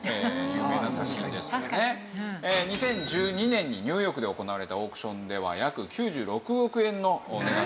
２０１２年にニューヨークで行われたオークションでは約９６億円の値がついたと。